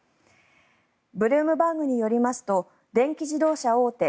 ブルームバーグによりますと電気自動車大手